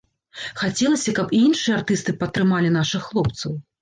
Хацелася, каб і іншыя артысты падтрымалі нашых хлопцаў.